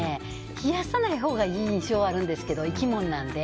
冷やさないほうがいい印象があるんですけど生き物なので。